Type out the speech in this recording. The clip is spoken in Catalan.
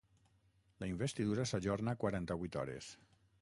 La investidura s’ajorna quaranta-vuit hores.